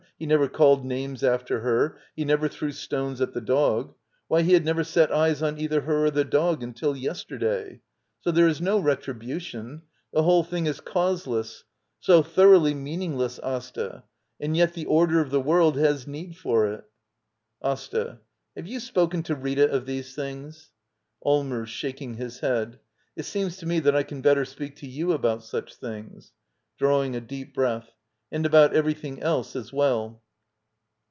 He never called names after her ; he never threw stones at the dog. Why, he had never set eyes on either her or the dog until yesterday. So there is no retribution. The whole thing is cause less — so thoroughly meaningless, Asta. — And yet the order of the world has need for it. AsTA. Have you spoken to Rita of these things? Allmers. [Shaking his head.] It seems to me that I can better speak to you about such things. »^4!Drawing a deep breath.] And about everything else as well.